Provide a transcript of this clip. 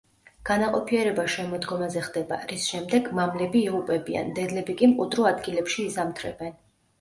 განაყოფიერება შემოდგომაზე ხდება, რის შემდეგ მამლები იღუპებიან, დედლები კი მყუდრო ადგილებში იზამთრებენ.